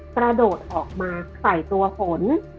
กระโดดออกมาใส่ตัวฝน